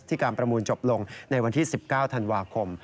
การประมูลจบลงในวันที่๑๙ธันวาคม